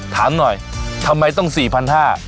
ถามหน่อยทำไมต้อง๔๕๐๐บาท